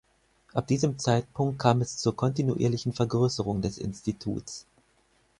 Ab diesem Zeitpunkt kam es zur kontinuierlichen Vergrößerung des Instituts.